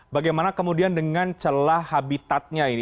bagaimana kemudian dengan celah habitatnya ini